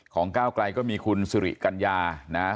ของก้าวกลัยก็มีคุณสุริกัญญานะฮะ